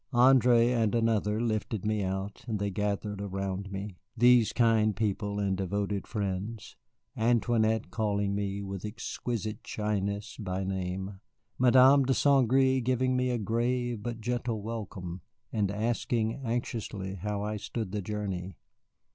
André and another lifted me out, and they gathered around me, these kind people and devoted friends, Antoinette calling me, with exquisite shyness, by name; Madame de St. Gré giving me a grave but gentle welcome, and asking anxiously how I stood the journey.